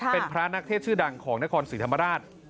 เป็นพระนักเทศชื่อดังของนครศรีธรรมราช